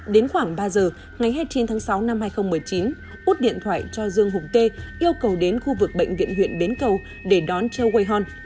đến khoảng ba giờ ngày hai mươi chín tháng sáu năm hai nghìn một mươi chín út điện thoại cho dương hùng tê yêu cầu đến khu vực bệnh viện huyện bến cầu để đón châu way hon